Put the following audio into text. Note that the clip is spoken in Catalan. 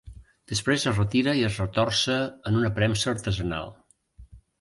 Després es retira i es retorça en una premsa artesanal.